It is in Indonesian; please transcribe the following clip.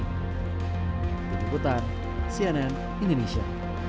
di jeputan cnn indonesia